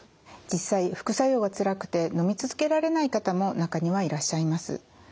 実際副作用がつらくてのみ続けられない方も中にはいらっしゃいます。